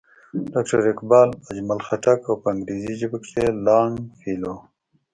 ډاکټر اقبال، اجمل خټک او پۀ انګريزي ژبه کښې لانګ فيلو